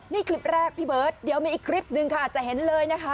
นี่คลิปแรกพี่เบิร์ตเดี๋ยวมีอีกคลิปหนึ่งค่ะจะเห็นเลยนะคะ